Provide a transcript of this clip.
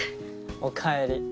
おかえり。